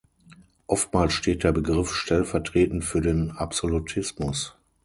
Oftmals steht der Begriff stellvertretend für den Absolutismus.